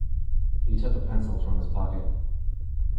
He took a pencil from his pocket.